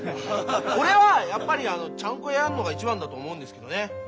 俺はやっぱりちゃんこ屋やるのが一番だと思うんですけどね。